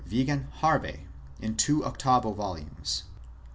Wigan Harvey, in two octavo volumes.